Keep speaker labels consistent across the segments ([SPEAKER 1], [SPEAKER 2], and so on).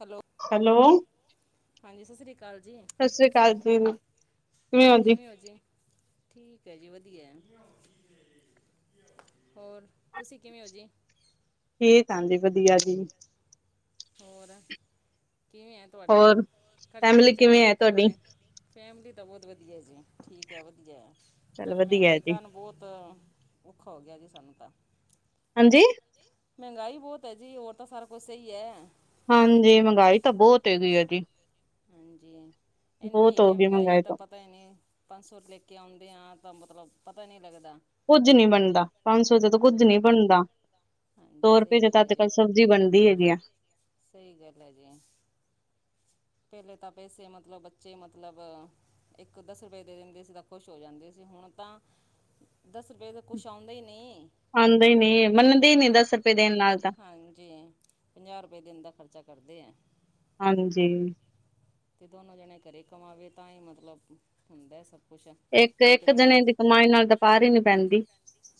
[SPEAKER 1] Hello.
[SPEAKER 2] Hello.
[SPEAKER 1] ਹਾਂਜੀ ਸਤਿ ਸ੍ਰੀ ਅਕਾਲ ਜੀ,
[SPEAKER 2] ਸਤਿ ਸ੍ਰੀ ਅਕਾਲ ਜੀ,
[SPEAKER 1] ਹੋਰ ਕਿਵੇਂ ਹੋ ਜੀ? ਠੀਕ ਹੈ, ਜੀ ਵਧੀਆ ਹੋਰ ਤੁਸੀਂ ਕਿਵੇਂ ਹੋ ਜੀ?
[SPEAKER 2] ਠੀਕ ਜੀ ਵਧੀਆ ਜੀ।
[SPEAKER 1] ਹੋਰ, ਕਿਵੇਂ ਆ?
[SPEAKER 2] ਹੋਰ ਫੈਮਲੀ ਕਿਵੇਂ ਹੈ? ਤੁਹਾਡੀ।
[SPEAKER 1] ਮੈਂ ਫੈਮਿਲੀ ਤਾਂ ਬਹੁਤ ਵਧੀਆ ਜੀ ਠੀਕ ਹੈ, ਵਧੀਆ
[SPEAKER 2] ਚੱਲ
[SPEAKER 1] ਪਰ
[SPEAKER 2] ਵਧੀਆ
[SPEAKER 1] ਮਹਿੰਗਾਈ
[SPEAKER 2] ਜੀ।
[SPEAKER 1] ਕਾਰਨ। ਬਹੁਤ ਔਖਾ ਹੋ ਗਿਆ, ਜੀ ਸਾਨੂੰ ਤਾਂ।
[SPEAKER 2] ਹਾਂਜੀ।
[SPEAKER 1] ਮਹਿੰਗਾਈ ਬਹੁਤ ਹੈ, ਜੀ ਹੋਰ ਤਾਂ ਸਾਰਾ ਕੁਛ ਸਹੀ ਹੈ।
[SPEAKER 2] ਹਾਂਜੀ, ਮਹਿੰਗਾਈ ਤਾਂ ਬਹੁਤ ਹੈਗੀ ਆ ਜੀ।
[SPEAKER 1] ਹਾਂਜੀ ਇੰਨੀ
[SPEAKER 2] ਬਹੁਤ
[SPEAKER 1] ਹੈਗੀ
[SPEAKER 2] ਹੋ
[SPEAKER 1] ਆ,
[SPEAKER 2] ਗਈ
[SPEAKER 1] ਮਹਿੰਗਾਈ ਤਾਂ। ਪਤਾ ਨਹੀਂ ਪੰਜ ਸੌ ਲੈਕੇ ਆਉਂਦੇ, ਆ ਤਾਂ ਮਤਲਬ ਪਤਾ ਨਹੀਂ ਲੱਗਦਾ।
[SPEAKER 2] ਕੁੱਝ ਨਹੀਂ ਬਣਦਾ, ਪੰਜ ਸੌ ਚ ਤਾਂ
[SPEAKER 1] ਹਾਂ
[SPEAKER 2] ਕੁੱਝ ਨਹੀਂ ਬਣਦਾ।
[SPEAKER 1] ਹਾਂਜੀ
[SPEAKER 2] ਸੋ ਰੁਪਏ
[SPEAKER 1] ਸਹੀ
[SPEAKER 2] ਚ
[SPEAKER 1] ਗੱਲ
[SPEAKER 2] ਤਾਂ
[SPEAKER 1] ਹੈ
[SPEAKER 2] ਅੱਜ-ਕੱਲ੍ਹ
[SPEAKER 1] ਜੀ
[SPEAKER 2] ਸਬਜ਼ੀ ਬਣਦੀ ਹੈਗੀ ਆ।
[SPEAKER 1] ਸਹੀ ਗੱਲ ਹੈ, ਜੀ ਪਹਿਲੇ ਤਾਂ ਪੈਸੇ ਮਤਲਬ ਬੱਚੇ ਮਤਲਬ। ਇੱਕ ਦਸ ਰੁਪਏ ਦੇ ਦਿੰਦੇ ਸੀ ਤਾਂ ਖੁਸ਼ ਹੋ ਜਾਂਦੇ ਸੀ ਹੁਣ ਤਾਂ। ਦਸ ਰੁਪਏ ਦਾ ਕੁਛ ਆਉਂਦੇ ਹੀ ਨਹੀਂ।
[SPEAKER 2] ਆਉਂਦੇ ਹੀ ਨੀ ਮੰਨਦੇ ਹੀ, ਨੀ ਦਸ ਰੁਪਏ ਦੇਣ ਨਾਲ ਤਾਂ।
[SPEAKER 1] ਹਾਂਜੀ ਪੰਜਾਹ ਰੁਪਏ ਦਿਨ ਦਾ ਖਰਚਾ ਕਰਦੇ ਹੈ।
[SPEAKER 2] ਹਾਂਜੀ।
[SPEAKER 1] ਅਤੇ ਦੋਨੋਂ ਜਣੇ ਘਰੇ ਕਮਾਵੇ ਤਾਂ ਹੀ ਮਤਲਬ ਹੁੰਦਾ ਸਭ। ਕੁਛ ਇੱਕ
[SPEAKER 2] ਇੱਕ-ਇੱਕ ਜਣੇ ਦੀ ਕਮਾਈ ਨਾਲ ਦਕਾਰ ਹੀ ਨੀ ਪੈਂਦੀ।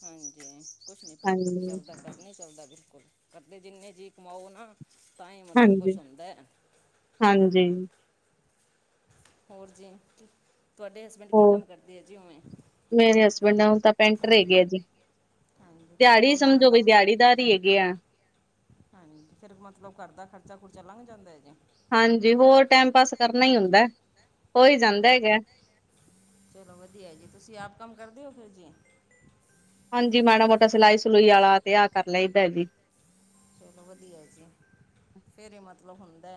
[SPEAKER 1] ਹਾਂਜੀ ਕੁਛ ਨੀ ਪਤਾ
[SPEAKER 2] ਹਾਂਜੀ,
[SPEAKER 1] ਚੱਲਦਾ ਕੰਮ ਨੀ ਚੱਲਦਾ ਬਿਲਕੁਲ। ਘਰਦੇ ਜਿੰਨੇ ਜੀ ਕਮਾਓ ਨਾ ਤਾਂ ਹੀ ਮਤਲਬ
[SPEAKER 2] ਹਾਂਜੀ।
[SPEAKER 1] ਕੁਛ ਹੁੰਦਾ ਹੈ।
[SPEAKER 2] ਹਾਂਜੀ।
[SPEAKER 1] ਹੋਰ ਜੀ, ਤੁਹਾਡੇ ਹਸਬੈਂਡ ਕੀ
[SPEAKER 2] ਹੋਰ,
[SPEAKER 1] ਕੰਮ ਕਰਦੇ ਆ ਜੀ ਉਵੇਂ?
[SPEAKER 2] ਮੇਰੇ ਹਸਬੈਂਡ ਹੁਣ ਤਾਂ ਪੈਂਟਰ ਹੈਗਿਆ ਜੀ।
[SPEAKER 1] ਹਾਂਜੀ ਕਿਵੇਂ
[SPEAKER 2] ਦਿਹਾੜੀ
[SPEAKER 1] ਉਹਨਾਂ ਦਾ
[SPEAKER 2] ਸਮਝੋ ਬੇ
[SPEAKER 1] ਕੰਮ
[SPEAKER 2] ਦਿਹਾੜੀਦਾਰ ਹੀ ਹੈਗੇ ਆ।
[SPEAKER 1] ਹਾਂਜੀ, ਫਿਰ ਮਤਲਬ ਘਰਦਾ ਖਰਚਾ ਖ਼ੁਰਚਾ ਲੰਘ ਜਾਂਦਾ ਹੈਜੀ।
[SPEAKER 2] ਹਾਂਜੀ, ਹੋਰ ਟਾਈਮ ਪਾਸ ਕਰਨਾ ਹੀ ਹੁੰਦਾ, ਹੋਈ ਜਾਂਦਾ
[SPEAKER 1] ਹੂੰ
[SPEAKER 2] ਹੈਗਾ।
[SPEAKER 1] ਚਲੋ ਵਧੀਆ ਜੀ, ਤੁਸੀਂ ਆਪ ਕੰਮ ਕਰਦੇ ਓ ਫਿਰ ਜੀ।
[SPEAKER 2] ਹਾਂਜੀ ਮਾੜਾ ਮੋਟਾ ਸਿਲਾਈ ਸਲੂਈ ਆਲਾ ਤੇ ਆ ਕਰ ਲਈ ਦਾ ਜੀ।
[SPEAKER 1] ਚਲੋ ਵਧੀਆ ਜੀ, ਫਿਰ ਇਹ ਮਤਲਬ ਹੁੰਦਾ,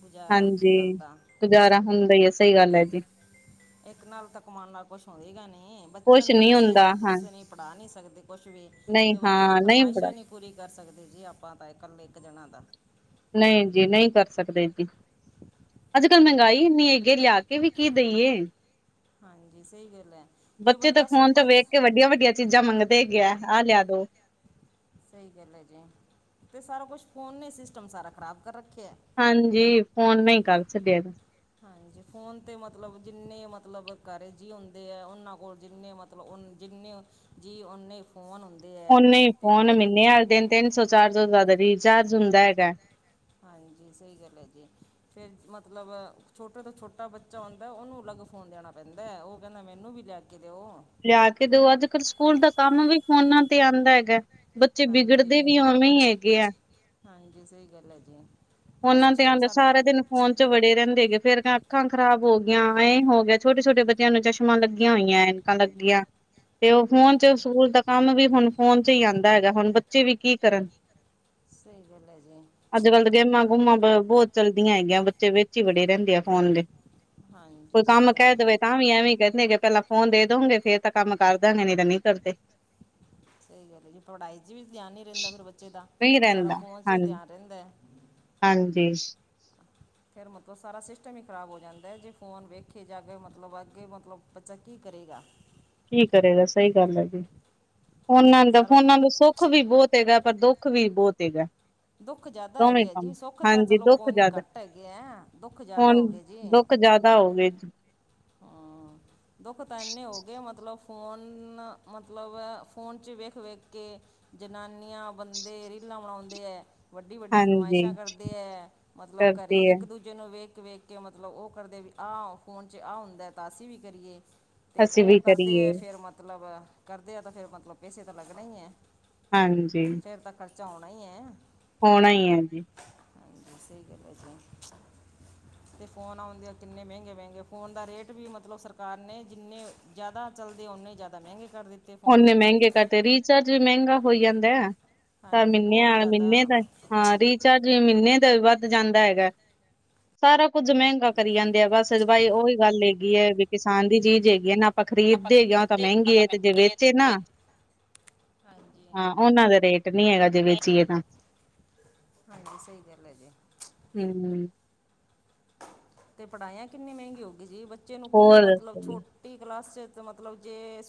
[SPEAKER 1] ਗੁਜ਼ਾਰਾ
[SPEAKER 2] ਹਾਂਜੀ,
[SPEAKER 1] ਕਰਦਾ
[SPEAKER 2] ਗੁਜ਼ਾਰਾ ਹੁੰਦਾ ਹੀ ਹੈ, ਸਹੀ ਗੱਲ ਹੈ ਜੀ।
[SPEAKER 1] ਇੱਕ ਨਾਲ ਤਾਂ ਕਮਾਨ ਨਾਲ ਕੁਛ ਹੋਇਗਾ ਨਹੀਂ ਬੱਚਿਆਂ
[SPEAKER 2] ਕੁਛ
[SPEAKER 1] ਨੂੰ
[SPEAKER 2] ਨੀ
[SPEAKER 1] ਵੀ ਸਹੀ
[SPEAKER 2] ਹੁੰਦਾ ਹਾਂ
[SPEAKER 1] ਤੁਸੀਂ ਨਹੀਂ ਪੜ੍ਹਾ ਨਹੀਂ ਸਕਦੇ ਕੁਛ ਵੀ।
[SPEAKER 2] ਨਹੀਂ
[SPEAKER 1] ਤੇ ਬੱਚੇ ਦੀ
[SPEAKER 2] ਹਾਂ ਨਹੀਂ ਬੜਾ
[SPEAKER 1] ਫਰਮਾਇਸ਼ਾਂ ਨਹੀ ਪੂਰੀ ਕਰ ਸਕਦੇ ਜੀ, ਆਪਾਂ ਤਾਂ ਇਕੱਲੇ ਇੱਕ ਜਣਾ ਤਾਂ।
[SPEAKER 2] ਨਹੀਂ ਜੀ, ਨਹੀਂ ਕਰ ਸਕਦੇ ਜੀ। ਅੱਜ ਕੱਲ੍ਹ ਮਹਿੰਗਾਈ ਇੰਨੀ ਹੈਗੀ ਲਿਆ ਕੇ ਵੀ ਕੀ ਦੇਈਏ?
[SPEAKER 1] ਹਾਂਜੀ ਸਹੀ ਗੱਲ ਹੈ, ਜੇ ਬੰਦਾ ਸੌ ਪੰਜ
[SPEAKER 2] ਵੱਡੀਆ ਵੱਡੀਆ ਚੀਜ਼ਾਂ ਮੰਗਦੇ ਹੈਗਿਆ, ਆਹ ਲਿਆ ਦੋ
[SPEAKER 1] ਸਹੀ ਗੱਲ ਹੈ ਜੀ, ਤੇ ਸਾਰਾ ਕੁਛ ਫੋਨ ਨੇ ਸਿਸਟਮ ਸਾਰਾ ਖਰਾਬ ਕਰ ਰੱਖਿਆ।
[SPEAKER 2] ਹਾਂਜੀ, ਫੋਨ ਨਹੀਂ ਕਰ ਛੱਡਿਆ।
[SPEAKER 1] ਹਾਂਜੀ, ਫ਼ੋਨ ਤੇ ਮਤਲਬ ਜਿੰਨੇ ਮਤਲਬ ਘਰੇ ਜੀ ਹੁੰਦੇ ਹੈ, ਉਹਨਾਂ ਕੋਲ ਜਿੰਨੇ ਮਤਲ ਜਿਨੇ ਜੀਅ ਉਨੇ ਫੋਨ ਹੁੰਦੇ ਹੈ
[SPEAKER 2] ਓਨੇ ਹੀ
[SPEAKER 1] ਤੇ
[SPEAKER 2] ਫੋਨ
[SPEAKER 1] ਬ
[SPEAKER 2] ਮਹੀਨੇ ਵਾਲੇ ਦਿਨ ਤਿੰਨ ਸੌ, ਚਾਰ ਸੌ, ਤੋਂ ਜ਼ਿਆਦਾ ਰਿਚਾਰਜ ਹੁੰਦਾ ਹੈਗਾ।
[SPEAKER 1] ਹਾਂਜੀ, ਸਹੀ ਗੱਲ ਹੈ ਜੀ। ਫੇਰ ਮਤਲਬ ਛੋਟੇ ਤੋਂ ਛੋਟਾ ਬੱਚਾ ਹੁੰਦਾ ਉਹਨੂੰ ਅਲੱਗ ਫੋਨ ਦੇਣਾ ਪੈਂਦਾ, ਉਹ ਕਹਿੰਦਾ ਮੈਨੂੰ ਵੀ ਲੈ ਲੈ ਕੇ ਦਿਓ।
[SPEAKER 2] ਲਿਆ ਕੇ ਦਿਓ, ਅੱਜ ਕੱਲ੍ਹ ਸਕੂਲ ਦਾ ਕੰਮ ਵੀ ਫ਼ੋਨਾਂ ਤੇ ਆਂਦਾ ਹੈਗਾ। ਬੱਚੇ ਵਿਗੜਦੇ
[SPEAKER 1] ਹਾਂਜੀ
[SPEAKER 2] ਵੀ ਉਵੇਂ ਹੀ ਹੈਗੇ ਆ।
[SPEAKER 1] ਹਾਂਜੀ, ਸਹੀ ਗੱਲ ਹੈ ਜੀ। ਪਰ
[SPEAKER 2] ਫ਼ੋਨਾਂ ਤੇ
[SPEAKER 1] ਸਿਸਟਮ
[SPEAKER 2] ਆਉਂਦਾ ਸਾਰਾ ਦਿਨ, ਫ਼ੋਨ ਚ ਵੜੇ ਰਹਿੰਦੇ ਹੈਗੇ ਫੇਰ ਅੱਖਾਂ ਖ਼ਰਾਬ ਹੋ ਗੀਆਂ ਐ ਹੋ ਗਿਆ ਛੋਟੇ ਛੋਟੇ ਬੱਚਿਆਂ ਨੂੰ ਚਸ਼ਮਾਂ ਲੱਗੀਆਂ ਹੋਈਆਂ ਐ। ਕਾ ਲੱਗੀਆਂ, ਤੇ ਉਹ ਫੋਨ ਚ ਸਕੂਲ ਦਾ ਕੰਮ ਵੀ ਹੁਣ ਫੋਨ ਚ ਹੀ ਆਂਦਾ ਹੈਗਾ, ਹੁਣ ਬੱਚੇ ਵੀ ਕੀ ਕਰਨ।
[SPEAKER 1] ਸਹੀ ਗੱਲ ਐ ਜੀ।
[SPEAKER 2] ਅੱਜ ਕੱਲ੍ਹ ਤਾਂ ਗੇਮਾਂ ਗੁਮਾਂ ਬ ਬਹੁਤ ਚਲਦੀਆਂ ਹੈਗੀਆਂ, ਬੱਚੇ ਵਿੱਚ ਹੀ ਵੜੇ ਰਹਿੰਦੇ ਆ ਫੋਨ ਦੇ। ਕੋਈ
[SPEAKER 1] ਹਾਂਜੀ ਸਹੀ
[SPEAKER 2] ਕੰਮ
[SPEAKER 1] ਗੱਲ
[SPEAKER 2] ਕਹਿ
[SPEAKER 1] ਹੈ ਜੀ
[SPEAKER 2] ਦਵੇ ਤਾਂ ਵੀ ਐਵੇਂ ਕਹਿੰਦੇਗੇ ਪਹਿਲਾਂ ਫੋਨ ਦੇ ਦੋਗੇ ਫੇਰ ਤਾਂ ਕੰਮ ਕਰਦਾਗੇ ਨਹੀਂ ਤਾਂ ਨਹੀਂ ਕਰਦੇ।
[SPEAKER 1] ਸਹੀ ਗੱਲ ਹੈ ਜੀ, ਪੜ੍ਹਾਈ ਚ ਵੀ ਧਿਆਨ ਨੀ ਰਹਿੰਦਾ ਫਿਰ ਬੱਚੇ ਦਾ
[SPEAKER 2] ਨਹੀਂ
[SPEAKER 1] ਸਾਰਾ
[SPEAKER 2] ਰਹਿੰਦਾ
[SPEAKER 1] ਫੋਨ ਚ ਧਿਆਨ ਰਹਿੰਦਾ ਹੈ।
[SPEAKER 2] ਹਾਂਜੀ।
[SPEAKER 1] ਫਿਰ ਮਤਲਬ ਸਾਰਾ ਸਿਸਟਮ ਹੀ ਖ਼ਰਾਬ ਹੋ ਜਾਂਦਾ ਹੈ, ਜੇ ਫੋਨ ਵੇਖੇ ਜਾ ਕੇ ਮਤਲਬ ਅੱਗੇ ਮਤਲਬ ਬੱਚਾ ਕੀ ਕਰੇਗਾ।
[SPEAKER 2] ਕੀ ਕਰੇਗਾ ਸਹੀ ਗੱਲ ਹੈ ਜੀ, ਉਹਨਾਂ ਦਾ
[SPEAKER 1] ਸਾਰਾ ਕੁ
[SPEAKER 2] ਫੋਨਾਂ ਦਾ ਸੌ ਸੁੱਖ ਵੀ ਬਹੁਤ ਹੈਗਾ ਪਰ ਦੁੱਖ ਵੀ ਬਹੁਤ ਹੈਗਾ।
[SPEAKER 1] ਦੁੱਖ ਜ਼ਿਆਦਾ
[SPEAKER 2] ਦੋਵੇਂ
[SPEAKER 1] ਹੈਗੇ ਆ
[SPEAKER 2] ਕੰਮ
[SPEAKER 1] ਜੀ ਸੁੱਖ ਤਾਂ
[SPEAKER 2] ਹਾਂਜੀ
[SPEAKER 1] ਚਲੋ
[SPEAKER 2] ਦੁੱਖ
[SPEAKER 1] ਕੋਈ ਨੀ
[SPEAKER 2] ਜ਼ਿਆਦਾ
[SPEAKER 1] ਘੱਟ ਹੈਗੇ ਹੈ, ਦੁੱਖ ਜ਼ਿਆਦਾ
[SPEAKER 2] ਹੁਣ
[SPEAKER 1] ਹੋ ਗਏ ਜੀ।
[SPEAKER 2] [inaudible]
[SPEAKER 1] ਹਾਂ
[SPEAKER 2] [inaudible]
[SPEAKER 1] ਦੁੱਖ ਤਾਂ ਇੰਨੇ ਹੋ ਗਏ ਮਤਲਬ ਫੋਨ ਮਤਲਬ ਫੋਨ ਚ ਵੇਖ ਵੇਖ ਕੇ ਜਨਾਨੀਆਂ, ਬੰਦੇ ਰੀਲਾਂ ਬਣਾਉਂਦੇ ਹੈ। ਵੱਡੀ ਵੱਡੀ
[SPEAKER 2] ਹਾਂਜੀ
[SPEAKER 1] ਫਰਮਾਇਸ਼ਾਂ ਕਰਦੇ ਹੈ, ਮਤਲਬ
[SPEAKER 2] ਕਰਦੇ
[SPEAKER 1] ਘਰੇ
[SPEAKER 2] ਹੈ
[SPEAKER 1] ਇੱਕ ਦੂਜੇ ਬੱਚੇ ਨੂੰ ਵੇਖ ਵੇਖ ਕੇ ਮਤਲਬ ਉਹ ਕਰਦੇ ਵੀ ਆਹ ਫੋਨ ਚ ਆਹ ਹੁੰਦਾ ਤਾਂ ਅਸੀਂ ਵੀ ਕਰੀਏ ਅਤੇ
[SPEAKER 2] ਅਸੀਂ
[SPEAKER 1] ਉਹ
[SPEAKER 2] ਵੀ
[SPEAKER 1] ਕਰਦੇ
[SPEAKER 2] ਕਰੀਏ
[SPEAKER 1] ਹੈ ਫਿਰ ਮਤਲਬ ਕਰਦੇ ਹੈ ਤਾਂ ਫਿਰ ਮਤਲਬ ਪੈਸੇ ਤਾਂ ਲੱਗਣੇ ਹੀ ਹੈ।
[SPEAKER 2] ਹਾਂਜੀ
[SPEAKER 1] ਫਿਰ ਤਾਂ ਖਰਚਾ ਆਉਣਾ ਹੀ ਹੈ।
[SPEAKER 2] ਹੋਣਾ ਈ ਹੈ ਜੀ।
[SPEAKER 1] ਹਾਂਜੀ ਸਹੀ ਗੱਲ ਹੈ ਜੀ ਤੇ ਫੋਨ ਆਉਂਦੇ ਆ ਕਿੰਨੇ ਮਹਿੰਗੇ-ਮਹਿੰਗੇ ਫੋਨ ਦਾ ਰੇਟ ਵੀ ਮਤਲਬ ਸਰਕਾਰ ਨੇ ਜਿੰਨੇ ਜ਼ਿਆਦਾ ਚਲਦੇ ਉਨੇ ਜ਼ਿਆਦਾ ਮਹਿੰਗੇ ਕਰ ਦਿੱਤੇ। ਫੋਨ
[SPEAKER 2] ਓਨੇ ਮਹਿੰਗੇ ਕਰਤੇ, ਰੀਚਾਰਜ ਵੀ ਮਹਿੰਗਾ ਹੋ ਜਾਂਦਾ, ਤਾ
[SPEAKER 1] ਹਾਂਜੀ ਬਹੁਤ ਜ਼ਿਆਦਾ
[SPEAKER 2] ਮਹੀਨੇ-ਮਹੀਨੇ ਦਾ ਹਾਂ, ਰੀਚਾਰਜ ਵੀ ਮਹੀਨੇ ਦਾ ਵੀ ਵੱਧ ਜਾਂਦਾ ਹੈਗਾ। ਸਾਰਾ ਕੁੱਝ ਮਹਿੰਗਾ
[SPEAKER 1] ਗੱਲ ਹੈ
[SPEAKER 2] ਕਰੀ
[SPEAKER 1] ਜੀ
[SPEAKER 2] ਜਾਂਦੇ ਆ, ਬਸ ਉਹੀ ਗੱਲ ਹੈਗੀ ਹੈ ਵੀ ਕਿਸਾਨ ਦੀ ਚੀਜ਼ ਹੈਗੀ ਹੈ ਨਾ। ਖਰੀਦਦੇ ਯਾ ਤੇ ਮਹਿੰਗੇ ਹੈ ਤੇ ਜਿਵੇ'- ਨਾ,
[SPEAKER 1] ਹਾਂਜੀ
[SPEAKER 2] ਹਾਂ ਉਹਨਾਂ ਦਾ ਰੇਟ ਨੀ ਹੈਗਾ ਜੇ ਵੇਚੀਏ ਤਾਂ।
[SPEAKER 1] ਹਾਂਜੀ ਸਹੀ ਗੱਲ ਹੈ ਜੀ।
[SPEAKER 2] ਹਮ-ਹਮ
[SPEAKER 1] ਅਤੇ ਪੜ੍ਹਾਈਆਂ ਕਿੰਨੀ ਮਹਿੰਗੀ ਹੋ ਗਈ ਜੀ ਬੱਚੇ ਨੂੰ ਕੀ
[SPEAKER 2] ਹੋਰ
[SPEAKER 1] ਮਤਲਬ
[SPEAKER 2] ਦੱਸੋ ਜੀ
[SPEAKER 1] ਛੋਟ ਟੀ ਕਲਾਸ 'ਚ ਮਤਲਬ ਜੇ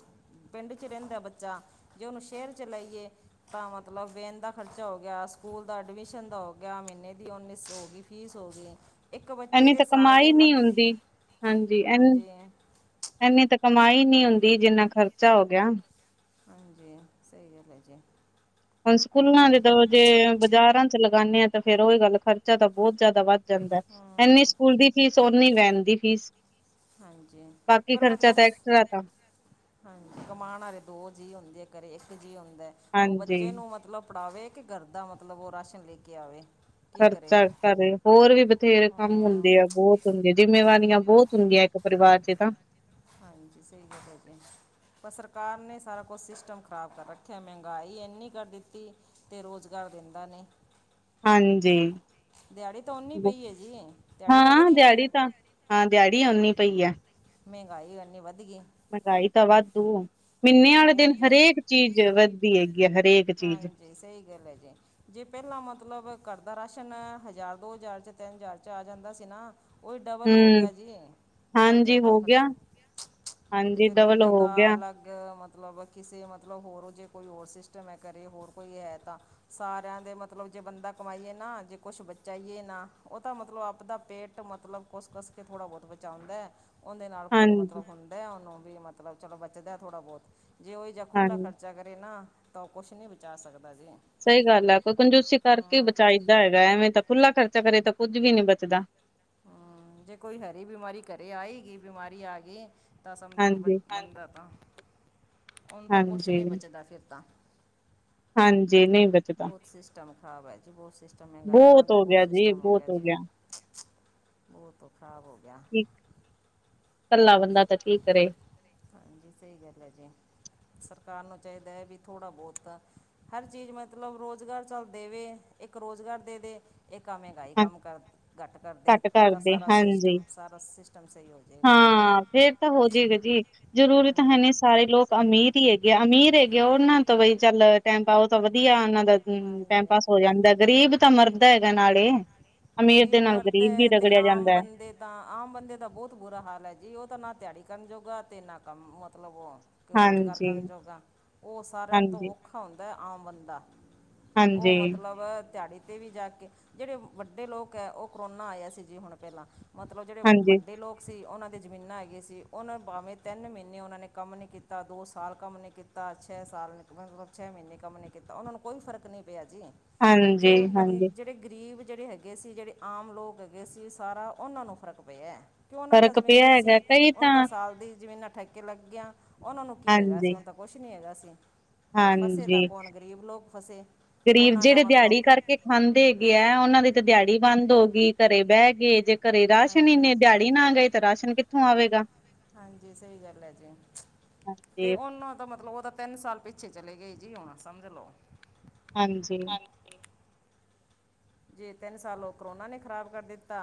[SPEAKER 1] ਪਿੰਡ 'ਚ ਰਹਿੰਦਾ ਬੱਚਾ, ਜੇ ਉਹਨੂੰ ਸ਼ਹਿਰ 'ਚ ਲਾਈਏ ਤਾਂ ਮਤਲਬ ਵੇਨ ਦਾ ਖਰਚਾ ਹੋ ਗਿਆ, ਸਕੂਲ ਦਾ ਐਡਮਿਸ਼ਨ ਦਾ ਹੋ ਗਿਆ, ਮਹੀਨੇ ਦੀ ਉੱਨੀ ਸੌ ਹੋ ਗਈ। ਫੀਸ ਹੋ ਗਈ ਇੱਕ ਵਾਰੀ
[SPEAKER 2] ਇਨੀ ਤਾਂ ਕਮਾਈ ਨਹੀਂ ਹੁੰਦੀ, ਹਾਂਜੀ।
[SPEAKER 1] ਹਾਂਜੀ
[SPEAKER 2] ਇਨੀ ਤਾਂ ਕਮਾਈ ਨੀ ਹੁੰਦੀ, ਜਿੰਨਾ ਖਰਚਾ ਹੋ ਗਿਆ।
[SPEAKER 1] ਹਾਂਜੀ ਸਹੀ ਗੱਲ ਹੈ ਜੀ
[SPEAKER 2] ਹੁਣ
[SPEAKER 1] ਬਹੁਤ
[SPEAKER 2] ਸਕੂਲਾਂ
[SPEAKER 1] ਹੈ
[SPEAKER 2] ਦੇ
[SPEAKER 1] ਜੀ
[SPEAKER 2] ਜੇ ਬਾਜ਼ਾਰਾਂ ਚ ਲਗਾਉਂਦੇ ਹਾਂ ਤਾਂ ਫੇਰ ਉਹੀ ਗੱਲ ਖਰਚਾ ਤਾਂ ਬਹੁਤ ਜ਼ਿਆਦਾ ਵੱਧ ਜਾਂਦਾ, ਇਨੀ
[SPEAKER 1] ਹਾਂ
[SPEAKER 2] ਸਕੂਲ ਦੀ ਫੀਸ ਓਨੀ ਵੈਨ ਦੀ ਫੀਸ
[SPEAKER 1] ਹਾਂਜੀ
[SPEAKER 2] ਬਾਕੀ
[SPEAKER 1] ਪਰ
[SPEAKER 2] ਖਰਚਾ
[SPEAKER 1] ਮਤਲਬ
[SPEAKER 2] ਤਾਂ, ਐਕਸਟਰਾ ਤਾਂ
[SPEAKER 1] ਹਾਂਜੀ ਕਮਾਉਣ ਵਾਲੇ ਦੋ ਜੀਅ ਹੁੰਦੇ, ਘਰੇ ਇੱਕ ਜੀਅ ਹੁੰਦਾ। ਉਹ
[SPEAKER 2] ਹਾਂਜੀ
[SPEAKER 1] ਬੱਚੇ ਨੂੰ ਮਤਲਬ ਪੜ੍ਹਾਵੇ, ਕਿ ਘਰ ਦਾ ਮਤਲਬ ਉਹ ਰਾਸ਼ਨ ਲੈ ਕੇ ਆਵੇ। ਕੀ ਕਰੇ
[SPEAKER 2] ਖਰਚਾ ਕਰ, ਹੋਰ ਵੀ ਬਥੇਰੇ ਕੰਮ
[SPEAKER 1] ਹਾਂ
[SPEAKER 2] ਹੁੰਦੇ ਆ ਬਹੁਤ। ਹੁਣ ਤੇ ਜਿੰਮੇਵਾਰੀਆਂ ਬਹੁਤ ਹੁੰਦੀਆਂ ਇੱਕ ਪਰਿਵਾਰ ਚ ਤਾਂ।
[SPEAKER 1] ਹਾਂਜੀ ਸਹੀ ਗੱਲ ਹੈ ਜੀ। ਪਰ ਸਰਕਾਰ ਨੇ ਸਾਰਾ ਕੁਛ ਸਿਸਟਮ ਖਰਾਬ ਕਰ ਰੱਖਿਆ, ਮਹਿੰਗਾਈ ਐੰਨੀ ਕਰ ਦਿੱਤੀ। ਤੇ ਰੁਜ਼ਗਾਰ ਦਿੰਦਾ ਨੀ,
[SPEAKER 2] ਹਾਂਜੀ
[SPEAKER 1] ਦਿਹਾੜੀ ਤਾਂ ਓਨੀ
[SPEAKER 2] ਬ
[SPEAKER 1] ਪਈ ਜੀ, ਦਿਹਾੜੀ ਤਾਂ
[SPEAKER 2] ਹਾਂ
[SPEAKER 1] ਵਧੀ ਨੀ।
[SPEAKER 2] ਦਿਹਾੜੀ ਤਾਂ ਹਾਂ ਦਿਹਾੜੀ ਓਨੀ ਪਈ ਆ।
[SPEAKER 1] ਮਹਿਗਾਈ ਓਨੀ ਵੱਧ ਗਈ।
[SPEAKER 2] ਮਹਿੰਗਾਈ ਤਾਂ ਵਾਧੂ, ਮਹੀਨੇ ਵਾਲੇ
[SPEAKER 1] ਬਹੁਤ
[SPEAKER 2] ਦਿਨ
[SPEAKER 1] ਜ਼ਿਆਦਾ
[SPEAKER 2] ਹਰੇਕ ਚੀਜ਼ ਵੱਧਦੀ ਹੈਗੀ ਆ ਹਰੇਕ। ਚੀਜ਼
[SPEAKER 1] ਹਾਂਜੀ, ਸਹੀ ਗੱਲ ਹੈ ਜੀ। ਜੇ ਪਹਿਲਾਂ ਮਤਲਬ ਘਰ ਦਾ ਰਾਸ਼ਨ, ਹਜ਼ਾਰ ਦੋ ਹਜ਼ਾਰ ਚ ਤਿੰਨ ਹਜ਼ਾਰ ਚ ਆ ਜਾਂਦਾ ਸੀ ਨਾ। ਉਹੀ ਡਬਲ ਹੋ
[SPEAKER 2] ਹਮ
[SPEAKER 1] ਗਿਆ ਜੀ, ਬਹੁਤ
[SPEAKER 2] ਹਾਂਜੀ
[SPEAKER 1] ਜ਼ਿਆਦਾ
[SPEAKER 2] ਹੋ ਗਿਆ
[SPEAKER 1] ਖਰਚਾ
[SPEAKER 2] ਹਾਂਜੀ
[SPEAKER 1] ਤੇ
[SPEAKER 2] ਡਬਲ
[SPEAKER 1] ਦੁੱਧ
[SPEAKER 2] ਹੋ
[SPEAKER 1] ਦਾ
[SPEAKER 2] ਗਿਆ
[SPEAKER 1] ਅਲੱਗ, ਮਤਲਬ ਕਿਸੇ ਮਤਲਬ ਹੋਰ ਜੇ ਕੋਈ ਹੋਰ ਸਿਸਟਮ ਕਰੇ ਹੋਰ ਕੋਈ ਹੈ ਤਾਂ ਸਾਰਿਆਂ ਦੇ ਮਤਲਬ, ਜੇ ਬੰਦਾ ਕਮਾਈਏ ਨਾ ਜੇ ਕੁਛ ਬਚਾਈਏ ਨਾ ਉਹ ਤਾਂ ਮਤਲਬ ਆਪਦਾ ਪੇਟ ਘਟ ਮਤਲਬ ਕੁਸ-ਕਸ ਕੇ ਥੋੜ੍ਹਾ ਬਹੁਤ ਬਚਉਂਦਾ। ਉਹਦੇ ਨਾਲ ਕੋਈ
[SPEAKER 2] ਹਾਂਜੀ
[SPEAKER 1] ਮਤਲਬ ਹੁੰਦਾ, ਉਹਨੂੰ ਵੀ ਮਤਲਬ ਚਲੋ ਬਚਦਾ ਥੋੜ੍ਹਾ ਬਹੁਤ, ਜੇ ਉਹੀ ਜਿਹਾ ਖੁੱਲ੍ਹਾ
[SPEAKER 2] ਹਾਂਜੀ
[SPEAKER 1] ਖਰਚਾ। ਚਾ ਕਰੇ ਨਾ, ਤਾਂ ਉਹ ਕੁਛ ਨਹੀਂ ਬਚਾ ਸਕਦਾ ਜੀ।
[SPEAKER 2] ਸਹੀ ਗੱਲ ਹੈ, ਕੋਈ ਕੰਜੂਸੀ ਕਰਕੇ
[SPEAKER 1] ਹਾਂ,
[SPEAKER 2] ਬਚਾਈਦਾ ਹੈਗਾ, ਐਵੇਂ ਤਾਂ ਖੁੱਲਾ ਖਰਚਾ ਕਰੇ ਤਾਂ ਕੁੱਝ ਵੀ ਨਹੀਂ ਬਚਦਾ।
[SPEAKER 1] ਹਮ, ਜੇ ਕੋਈ ਹਰੀ ਬਿਮਾਰੀ ਘਰੇ ਆਈ ਹੀ ਗਈ, ਬਿਮਾਰੀ ਆ ਗਈ। ਤਾਂ ਸਮਝ ਲਓ
[SPEAKER 2] ਹਾਂਜੀ
[SPEAKER 1] ਬਚਦਾ ਹੁਣ ਤਾਂ ਕੁੱਛ
[SPEAKER 2] ਹਾਂਜੀ
[SPEAKER 1] ਨਹੀਂ ਬਚਦਾ ਫਿਰ ਤਾਂ।
[SPEAKER 2] ਹਾਂਜੀ ਨਹੀਂ ਬਚਦਾ
[SPEAKER 1] ਬਹੁਤ ਸਿਸਟਮ ਖ਼ਰਾਬ ਹੈ ਜੀ, ਬਹੁਤ ਸਿਸਟਮ, ਮਹਿੰਗਾਈ ਕਾਰਨ ਤਾਂ
[SPEAKER 2] ਹੋ
[SPEAKER 1] ਬਹੁਤ
[SPEAKER 2] ਗਿਆ ਜੀ
[SPEAKER 1] ਸਿਸਟਮ ਹੋ ਗਿਆ
[SPEAKER 2] ਬਹੁਤ
[SPEAKER 1] ਜੀ। ਉਹ ਤੋਂ ਖਰਾਬ ਹੋ ਗਿਆ।
[SPEAKER 2] ਇਕ, ਕੱਲਾ ਬੰਦਾ ਤਾਂ ਕੀ ਕਰੇ।
[SPEAKER 1] ਹਾਂਜੀ, ਸਹੀ ਗੱਲ ਐ ਜੀ, ਸਰਕਾਰ ਨੂੰ ਚਾਹੀਦਾ ਹੈ ਵੀ ਥੋੜ੍ਹਾ ਬਹੁਤ ਤਾ ਹਰ ਚੀਜ਼ ਮਤਲਬ ਰੁਜ਼ਗਾਰ ਚੱਲ ਦੇਵੇ, ਇੱਕ ਰੁਜ਼ਗਾਰ ਦੇਦੇ ਇਹ ਆ ਮਹਿੰਗਾਈ
[SPEAKER 2] ਹਾਂ
[SPEAKER 1] ਕੰਮ, ਕਰ ਘੱਟ ਕਰਦੇ।
[SPEAKER 2] ਘੱਟ
[SPEAKER 1] ਤਾਂ
[SPEAKER 2] ਕਰਦੇ
[SPEAKER 1] ਸਾਰਾ
[SPEAKER 2] ਹਾਂਜੀ
[SPEAKER 1] ਸਿਸਟਮ ਸਾਰਾ ਸਿਸਟਮ ਸਹੀ ਹੋਜੇਗਾ।
[SPEAKER 2] ਹਾਂ ਫੇਰ ਤਾ ਹੋਜੇਗਾ ਜੀ, ਜਰੂਰੀ ਤਾਂ
[SPEAKER 1] ਹਾਂਜੀ
[SPEAKER 2] ਹੈਨੀ ਸਾਰੇ ਲੋਕ ਅਮੀਰ ਹੀ ਹੇਗੇ ਆ, ਅਮੀਰ ਹੇਗੇ ਆ ਉਹਨਾਂ ਤੋਂ ਬਈ ਚੱਲ, ਟਾਈਮ ਪਾਓ ਤਾਂ ਵਧੀਆ ਉਹਨਾਂ ਦਾ ਹੂੰ,
[SPEAKER 1] ਹਾਂਜੀ
[SPEAKER 2] ਟਾਈਮਪਾਸ ਹੋ ਜਾਂਦਾ, ਗ਼ਰੀਬ ਤਾਂ ਮਰਦਾ ਹੈਗਾ ਨਾਲੇ। ਅਮੀਰ ਦੇ
[SPEAKER 1] ਗਰੀਬ
[SPEAKER 2] ਨਾਲ ਗ਼ਰੀਬ ਵੀ
[SPEAKER 1] ਮਰਦੈ, ਤੇ
[SPEAKER 2] ਰਗੜਿਆ
[SPEAKER 1] ਆਮ
[SPEAKER 2] ਜਾਂਦਾ ਹੈ
[SPEAKER 1] ਬੰਦੇ ਤਾਂ ਆਮ ਬੰਦੇ ਦਾ ਬਹੁਤ ਬੁਰਾ ਹਾਲ ਹੈ ਜੀ, ਉਹ ਤਾਂ ਨਾ ਤਿਹਾੜੀ ਕਰਨ ਜੋੋਗਾ ਤੇ, ਨਾ, ਕੰਮ ਮਤਲਬ ਓ ਕਿ ਰੁਜ਼ਗਾਰ
[SPEAKER 2] ਹਾਂਜੀ,
[SPEAKER 1] ਕਰਨ ਜੋਗਾ, ਉਹ ਸਾਰਿਆਂ ਤੋਂ
[SPEAKER 2] ਹਾਂਜੀ।
[SPEAKER 1] ਔਖਾ ਹੁੰਦਾ ਹੈ ਆਮ ਬੰਦਾ। ਉਹ
[SPEAKER 2] ਹਾਂਜੀ,
[SPEAKER 1] ਮਤਲਬ ਤਿਹਾੜੀ ਤੇ ਵੀ ਜਾਕੇ, ਜਿਹੜੇ ਵੱਡੇ ਵੱਡੇ ਲੋਕ ਐ, ਉਹ ਕੋਰੋਨਾ ਆਇਆ ਸੀ ਜੀ ਹੁਣ ਪਹਿਲਾਂ, ਮਤਲਬ ਜਿਹੜੇ
[SPEAKER 2] ਹਾਂਜੀ,
[SPEAKER 1] ਵੱਡੇ ਲੋਕ ਸੀ ਉਹਨਾਂ ਦੇ ਜ਼ਮੀਨਾਂ ਹੈਗੀ ਸੀ, ਉਹਨਾਂ ਭਾਵੇਂ ਤਿੰਨ ਮਹੀਨੇ ਉਹਨਾਂ ਨੇ ਕੰਮ ਨੀ ਕੀਤਾ, ਦੋ-ਸਾਲ ਕੰਮ ਨਹੀਂ ਕੀਤਾ ਕੀਤਾ, ਛੇ ਸਾਲ ਮਤਲਬ, ਛੇ ਮਹੀਨੇ ਕੰਮ ਨੀ ਕੀਤਾ, ਉਹਨਾਂ ਨੂੰ ਕੋਈ ਫ਼ਰਕ ਨਹੀਂ ਪਿਆ ਜੀ।
[SPEAKER 2] ਹਾਂਜੀ,
[SPEAKER 1] ਜੇ ਬੰ
[SPEAKER 2] ਹਾਂਜੀ
[SPEAKER 1] ਜਿਹੜੇ ਗ਼ਰੀਬ, ਜਿਹੜੇ ਹੈਗੇ ਗੇ ਸੀ ਜਿਹੜੇ ਆਮ ਲੋਕ ਹੈਗੇ ਸੀ, ਸਾਰਾ ਉਹਨਾਂ ਨੂੰ ਫ਼ਰਕ ਪਿਆ। ਕਿਉ ਉਹਨਾਂ ਦਾ
[SPEAKER 2] ਫ਼ਰਕ ਪਿਆ
[SPEAKER 1] ਜ਼ਮੀਨਾਂ
[SPEAKER 2] ਹੈਗਾ
[SPEAKER 1] ਸੀ,
[SPEAKER 2] ਕਈ
[SPEAKER 1] ਉਹਣ ਤਾਂ ਸਾਲ ਦੀ ਜ਼ਮੀਨਾਂ ਠੇਕੇ ਲੱਗੀਆਂ, ਉਹਨਾਂ ਨੂੰ ਕੀ ਹੈਗਾ ਸੀ
[SPEAKER 2] ਹਾਂਜੀ,
[SPEAKER 1] ਉਹਨਾ ਤਾਂ ਕੁਛ ਨਹੀਂ ਹੈਗਾ ਸੀ, ਤੇ ਫਸੇ ਤਾਂ
[SPEAKER 2] ਹਾਂਜੀ।
[SPEAKER 1] ਕੌਣ ਗਰੀਬ ਲੋਕ ਫਸੇ,
[SPEAKER 2] ਗ਼ਰੀਬ
[SPEAKER 1] ਉਹਨਾਂ ਦਾ
[SPEAKER 2] ਜਿਹੜੇ
[SPEAKER 1] ਮਤਲਬ
[SPEAKER 2] ਦਿਹਾੜੀ ਕਰਕੇ ਖਾਂਦੇ ਹੇਗੇ ਆ ਉਹਨਾਂ ਦੀ ਤੇ ਦਿਹਾੜੀ ਬੰਦ ਹੋ ਗਈ ਘਰੇ ਬਹਿਕੇ, ਜੇ ਘਰੇ ਰਾਸ਼ਨ
[SPEAKER 1] ਹਾਂਜੀ
[SPEAKER 2] ਇੰਨੇ ਦਿਹਾੜ ਨਾ ਗਏ ਤੇ, ਰਾਸ਼ਨ ਕਿੱਥੋਂ ਆਵੇਗਾ।
[SPEAKER 1] ਹਾਂਜੀ, ਸਹੀ ਗੱਲ ਐ ਜੀ, ਤੇ
[SPEAKER 2] ਹਾਂਜੀ
[SPEAKER 1] ਉਹਨਾਂ ਦਾ, ਮਤਲਬ ਉਹਦਾ ਤਿੰਨ ਸਾਲ ਪਿੱਛੇ ਚਲੇ ਗਏ ਜੀ, ਹੁਣ ਸਮਝ ਲਓ।
[SPEAKER 2] ਹਾਂਜੀ‌।
[SPEAKER 1] ਜੇ ਤਿੰਨ ਸਾਲ ਓ ਕੋਰੋਨਾ ਨੇ ਖ਼ਰਾਬ ਕਰ ਦਿੱਤਾ,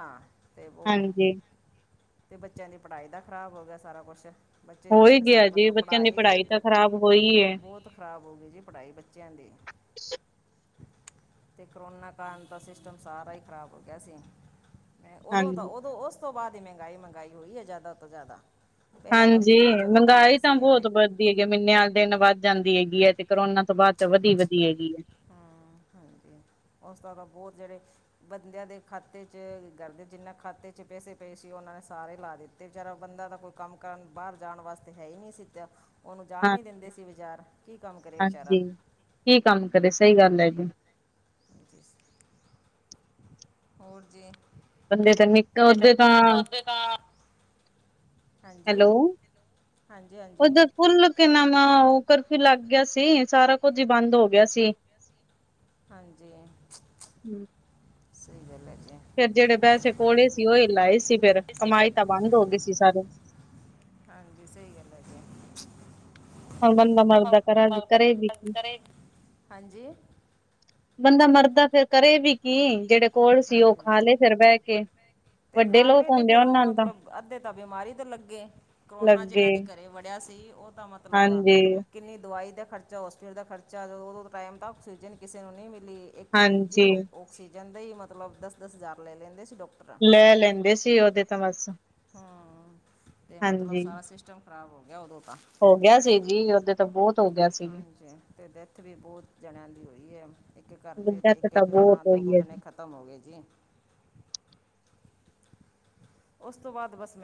[SPEAKER 1] ਅਤੇ ਉਹ
[SPEAKER 2] ਹਾਂਜੀ
[SPEAKER 1] ਤੇ ਬੱਚਿਆਂ ਦੀ ਪੜ੍ਹਾਈ ਦਾ ਖ਼ਰਾਬ ਹੋ ਗਿਆ, ਸਾਰਾ ਕੁਛ। ਬੱਚੇ
[SPEAKER 2] ਹੋ ਹੀ
[SPEAKER 1] ਤਿੰਨ ਸਾਲ
[SPEAKER 2] ਗਿਆ ਜੀ
[SPEAKER 1] ਮਤਲਬ
[SPEAKER 2] ਬੱਚਿਆਂ ਦੀ
[SPEAKER 1] ਪੜ੍ਹਾਈ ਦੇਖੋ,
[SPEAKER 2] ਤਾਂ ਖ਼ਰਾਬ ਹੋਈ ਹੈ।
[SPEAKER 1] ਬਹੁ ਬਹੁਤ ਖਰਾਬ ਹੋ ਗਈ ਜੀ ਪੜ੍ਹਾਈ ਬੱਚਿਆਂ ਦੀ‌।
[SPEAKER 2] [inaudible]
[SPEAKER 1] ਅਤੇ, ਕੋਰੋਨਾ ਕਾਰਨ ਤਾ ਸਿਸਟਮ ਸਾਰਾ ਹੀ ਖ਼ਰਾਬ ਹੋ ਗਿਆ ਸੀ। ਉਦੋਂ ਤਾਂ,
[SPEAKER 2] ਹਾਂਜੀ।
[SPEAKER 1] ਉਦੋਂ ਉਸ ਤੋਂ ਬਾਅਦ ਹੀ ਮਹਿੰਗਾਈ-ਮਹਿੰਗਾਈ ਹੋਈ ਹੈ, ਜ਼ਿਆਦਾ ਤੋਂ ਜ਼ਿਆਦਾ‌।
[SPEAKER 2] ਹਾਂਜੀ, ਮਹਿੰਗਾਈ ਤਾਂ ਬਹੁਤ ਬ ਧੀ ਤਿੰਨ ਮਹੀਨਿਆਂ ਵਾਲੇ ਦਿਨ ਵੱਧ ਜਾਂਦੀ ਹੈਗੀ ਹੈ, ਤੇ ਕੋਰੋਨਾ ਤੋਂ ਬਾਅਦ' ਚ ਵਧੀ-ਵਧੀ ਹੈਗੀ।
[SPEAKER 1] ਹੂੰ, ਹਾਂਜੀ ਉਸਦਾ ਤਾਂ ਬਹੁਤ ਜਿਹੜੇ ਬੰਦਿਆਂ ਦੇ ਖਾਤੇ'ਚ, ਘਰਦੇ ਜਿੰਨ੍ਹਾਂ ਖਾਤੇ'ਚ ਪੈਸੇ ਪਏ ਸੀ, ਉਹਨਾਂ ਨੇ ਸਾਰੇ ਲਾ ਦਿੱ ਤੇ ਵਿਚਾਰਾ ਬੰਦਾ ਦਾ ਕੋਈ ਕੰਮ ਕਰਨ, ਬਾਹਰ ਜਾਣ ਵਾਸਤੇ ਹੈ ਹੀ ਨਹੀਂ ਸੀ ਦਿਆ‌। ਉਹਨੂੰ ਜਾਣ
[SPEAKER 2] ਹਾਂ
[SPEAKER 1] ਨੀ ਦਿੰਦੇ ਸੀ ਬਾਜਾਰ, ਕੀ ਕੰਮ ਕਰੇ ਵਿਚਾਰਾ।
[SPEAKER 2] ਹਾਂਜੀ। ਕੀ ਕੰਮ ਕਰੇ, ਸਹੀ ਗੱਲ ਹੈ ਜੀ।
[SPEAKER 1] ਹੋਰ ਜੀ
[SPEAKER 2] ਬੰਦੇ ਤਾਂ ਨਿੱਕ
[SPEAKER 1] ਤਾ
[SPEAKER 2] ਓਦੇ ਤਾਂ
[SPEAKER 1] ਦੁਧ ਦੇ ਨਾਲ
[SPEAKER 2] ਹੈਲੋ,
[SPEAKER 1] ਹਾਂਜੀ
[SPEAKER 2] ਉਹ
[SPEAKER 1] ਹਾਂਜੀ
[SPEAKER 2] ਦ ਫੁੱਲ ਕੇ ਨਾਮਾਂ ਉਹ ਕਰਫਿਊ ਲੱਗ ਗਿਆ ਸੀ, ਸਾਰਾ ਕੁਝ ਹੀ ਬੰਦ ਹੋ ਗਿਆ ਸੀ।
[SPEAKER 1] ਹਾਂਜੀ, ਸਹੀ ਗੱਲ ਹੈ ਜੀ।
[SPEAKER 2] ਫਿਰ ਜਿਹੜੇ ਪੈਸੇ ਕੋਲੇ ਸੀ, ਉਹ ਹੀ ਲਾਏ ਸੀ ਫਿਰ, ਕਮਾਈ ਤਾਂ ਬੰਦ ਹੋ ਗਈ ਸੀ ਸਾਰੇ।
[SPEAKER 1] ਹਾਂਜੀ, ਸਹੀ ਗੱਲ ਐ ਜੀ।
[SPEAKER 2] ਹੁਣ ਬੰਦਾ ਮਰਦਾ ਕਰਾ ਕਰੇ ਵੀ
[SPEAKER 1] [unintelligible]
[SPEAKER 2] ਕੀ।
[SPEAKER 1] ਕਰੇ ਹਾਂਜੀ
[SPEAKER 2] ਬੰਦਾ ਮਰਦਾ ਫਿਰ ਕਰੇ ਵੀ ਕੀ, ਜਿਹੜੇ ਕੋਲ ਸੀ ਉਹ ਖਾ
[SPEAKER 1] ਹਾਂਜੀ
[SPEAKER 2] ਲਏ ਫਿਰ ਬਹਿਕੇ।
[SPEAKER 1] ਤੇ ਖਾ ਲਏ ਤੇ, ਫੇਰ ਉਹ ਮਤਲਬ ਅੱਧੇ ਤਾ ਬਿਮਾਰੀ ਤੇ ਲੱਗੇ, ਕੋਰੋਨਾ
[SPEAKER 2] ਲੱਗੇ
[SPEAKER 1] ਜਿਨਾਂ ਦੇ ਘਰੇ ਵੜਿਆ ਸੀ ਉਹ ਤਾਂ ਮਤਲਬ
[SPEAKER 2] ਹਾਂਜੀ
[SPEAKER 1] ਕਿੰਨੀ ਦਵਾਈ ਦਾ ਖਰਚਾ, ਹੋਸਪੀਟਲ ਦਾ ਖਰਚਾ, ਜਦੋਂ ਉਦੋਂ ਟਾਈਮ ਤਾਂ ਆਕਸੀਜਨ ਕਿਸੇ ਨੂੰ ਨਹੀਂ ਮਿਲੀ। ਇੱਕ ਦਿਨ ਜੀ,
[SPEAKER 2] ਹਾਂਜੀ
[SPEAKER 1] ਔਕਸੀਜਨ ਦਾ ਹੀ ਮਤਲਬ ਦਸ-ਦਸ ਹਜ਼ਾਰ ਲੈ ਲੈਂਦੇ ਸੀ, ਡੋਕ
[SPEAKER 2] ਲੈ ਲੈਂਦੇ ਸੀ, ਉਹਦੇ ਤਾਂ ਬਸ
[SPEAKER 1] ਹਮ ਅਤੇ ਮਤਲਬ
[SPEAKER 2] ਹਾਂਜੀ
[SPEAKER 1] ਸਾਰਾ ਸਿਸਟਮ ਖਰਾਬ ਹੋ ਗਿਆ ਉਦੋਂ ਤਾਂ
[SPEAKER 2] ਹੋ ਗਿਆ ਸੀ ਜੀ ਉਹਦੇ ਤਾਂ ਬਹੁਤ ਹੋ ਗਿਆ ਸੀ
[SPEAKER 1] ਹਾਂਜੀ ਤੇ ਡੈਥ ਵੀ ਬਹੁਤ ਜਣਿਆਂ ਦੀ ਹੋਈ ਹੈ ਇੱਕ ਘਰ ਦੇ
[SPEAKER 2] ਬੁੱਢਾ ਤੇ
[SPEAKER 1] ਇੱਕ
[SPEAKER 2] ਤਾਂ
[SPEAKER 1] ਇੱਕ
[SPEAKER 2] ਬਹੁਤ
[SPEAKER 1] ਜਣਾ
[SPEAKER 2] ਹੋਈ
[SPEAKER 1] ਦੋ-ਦੋ
[SPEAKER 2] ਹੈ ਜੀ।
[SPEAKER 1] ਜਣੇ ਖਤਮ ਮ ਹੋ ਗਏ ਜੀ ਉਸ ਤੋਂ ਬਾਅਦ ਬਸ ਮੈਂ